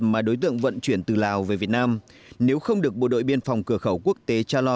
mà đối tượng vận chuyển từ lào về việt nam nếu không được bộ đội biên phòng cửa khẩu quốc tế cha lo